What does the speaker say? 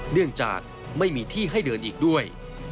เนื่องจากไม่มีที่ให้เดินอีกด้วย